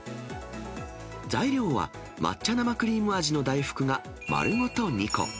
材料は、抹茶生クリーム味の大福が丸ごと２個。